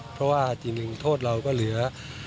เพราะว่าจริงโทษเราก็เหลือ